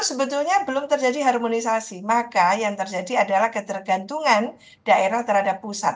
sebetulnya belum terjadi harmonisasi maka yang terjadi adalah ketergantungan daerah terhadap pusat